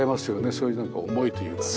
そういうなんか思いというかね。